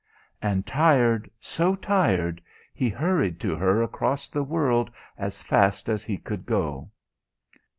And tired, so tired, he hurried to her across the world as fast as he could go.